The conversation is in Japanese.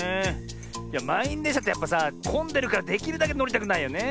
いやまんいんでんしゃってやっぱさこんでるからできるだけのりたくないよね。